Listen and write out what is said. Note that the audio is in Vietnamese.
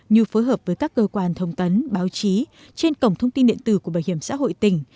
như phối hợp với các cơ quan thông tấn báo chí trên cổng thông tin điện tử của bảo hiểm xã hội tỉnh